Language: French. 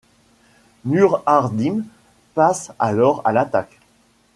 Nur ad-Din passe alors à l’attaque.